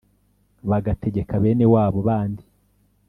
bagategeka bene wabo bandi.